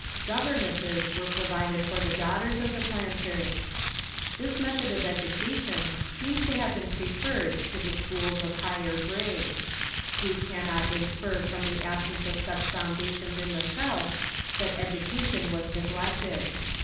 Governesses were provided for the daughters of the planters. This method of education seems to have been preferred to the schools of higher grade. We cannot infer from the absence of such foundations in the South that edu cation was neglected.